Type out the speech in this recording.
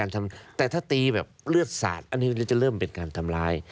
แต่ถ้าตีแบบเลือดสาดอันนี้จะเริ่มเป็นการทำร้าย